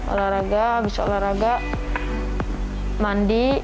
olahraga abis olahraga mandi